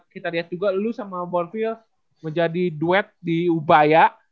kita lihat juga lu sama bonville menjadi duet di ubaya